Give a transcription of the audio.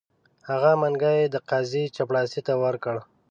هغه منګی یې د قاضي چپړاسي ته ورکړ.